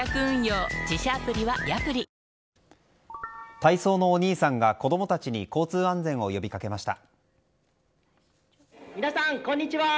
体操のお兄さんが子供たちに交通安全を呼び掛けました。